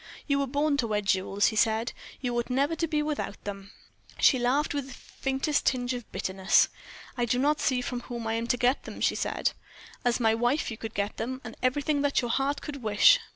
"You were born to wear jewels," he said. "You ought never to be without them." She laughed with the faintest tinge of bitterness. "I do not see from whom I am to get them," she said. "As my wife you could get them, and everything that your heart could wish.